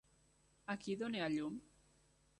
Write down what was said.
A qui dona a llum?